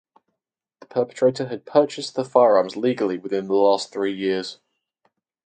The perpetrator had purchased the firearms legally within the last three years.